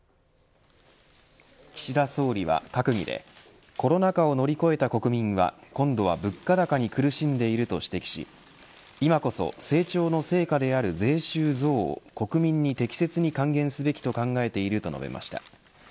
岸田総理は閣議でコロナ禍を乗り越えた国民は今度は物価高に苦しんでいると指摘し今こそ成長の成果である税収増を国民に適切に還元すべきと考えていると述べました。